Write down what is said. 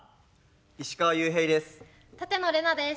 石川裕平です。